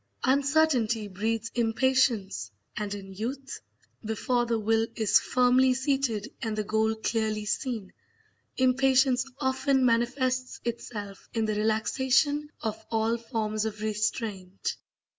Uncertainty breeds impatience; and in youth, before the will is firmly seated and the goal clearly seen, impatience often manifests itself in the relaxation of all forms of restraint.